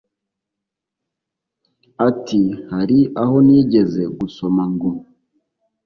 Ati “hari aho nigeze gusoma ngo